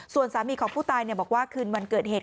ส่วนสามีของผู้ตายบอกว่าคืนวันเกิดเหตุ